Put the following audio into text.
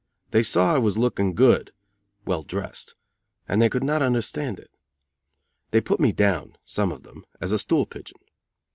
They saw I was looking good (well dressed) and they could not understand it. They put me down, some of them, as a stool pigeon.